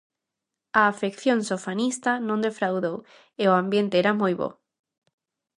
A afección sofanista non defraudou e o ambiente era moi bo.